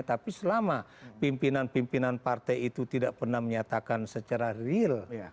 tapi selama pimpinan pimpinan partai itu tidak pernah menyatakan secara real